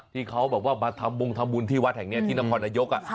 ที่เขาแบบว่ามาทำบงทำบุญที่วัดแห่งนี้ที่นครนายก